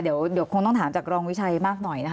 เดี๋ยวคงต้องถามจากรองวิชัยมากหน่อยนะคะ